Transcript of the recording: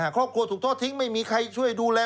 ครอบครัวถูกทอดทิ้งไม่มีใครช่วยดูแล